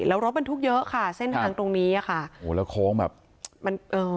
แล้วรถบรรทุกเยอะค่ะเส้นทางตรงนี้อ่ะค่ะโอ้แล้วโค้งแบบมันเอ่อ